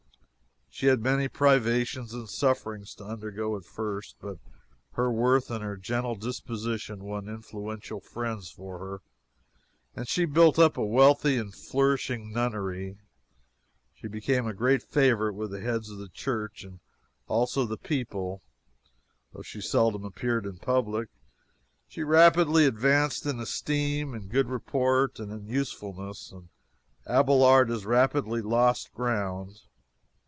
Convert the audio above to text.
She had many privations and sufferings to undergo at first, but her worth and her gentle disposition won influential friends for her, and she built up a wealthy and flourishing nunnery. She became a great favorite with the heads of the church, and also the people, though she seldom appeared in public. She rapidly advanced in esteem, in good report, and in usefulness, and Abelard as rapidly lost ground.